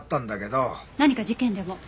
何か事件でも？